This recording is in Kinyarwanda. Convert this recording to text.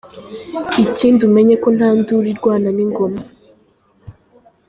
Ikindi umenye ko nta nduru irwana n’ingoma!